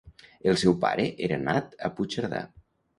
El seu pare era nat a Puigcerdà.